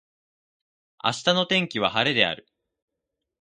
明日の天気は晴れである。